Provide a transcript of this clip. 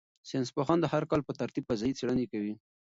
ساینس پوهان د هر کال په ترتیب فضايي څېړنې کوي.